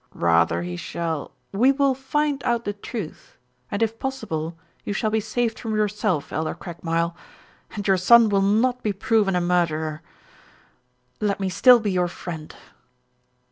Rather he shall " "We will find out the truth, and, if possible, you shall be saved from yourself, Elder Craigmile, and your son will not be proven a murderer. Let me still be your friend."